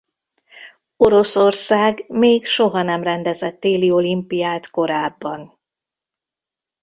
Oroszország még soha nem rendezett téli olimpiát korábban.